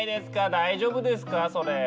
大丈夫ですかそれ？